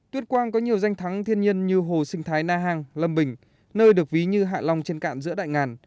tuyên quang có nhiều danh thắng thiên nhiên như hồ sinh thái na hàng lâm bình nơi được ví như hạ long trên cạn giữa đại ngàn